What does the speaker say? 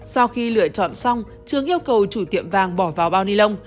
sau khi lựa chọn xong trường yêu cầu chủ tiệm vàng bỏ vào bao ni lông